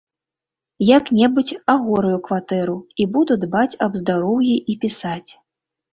Як-небудзь агораю кватэру і буду дбаць аб здароўі і пісаць.